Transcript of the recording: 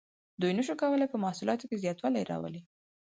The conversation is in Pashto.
دوی نشو کولی په محصولاتو کې زیاتوالی راولي.